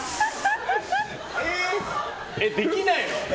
できないの？